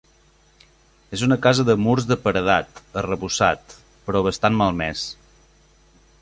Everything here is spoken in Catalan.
És una casa de murs de paredat, arrebossat, però bastant malmès.